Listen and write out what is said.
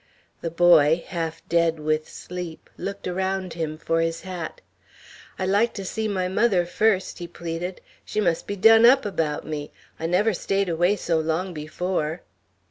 The boy, half dead with sleep, looked around him for his hat. "I'd like to see my mother first," he pleaded. "She must be done up about me. I never stayed away so long before."